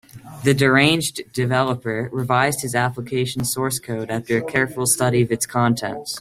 The deranged developer revised his application source code after a careful study of its contents.